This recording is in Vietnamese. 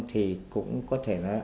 thì cũng có thể nói